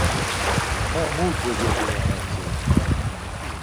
Ma mu dogogura hatzi.